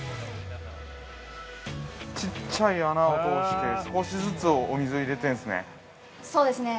◆ちっちゃい穴を通して少しずつお水入れてるんですね。